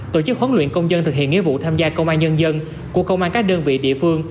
tổ chức huấn luyện công dân thực hiện nghĩa vụ tham gia công an nhân dân của công an các đơn vị địa phương